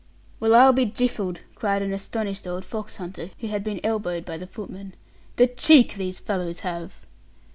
"Well, I'll be jiffled!" cried an astonished old fox hunter, who had been elbowed by the footman; "the cheek these fellows have!"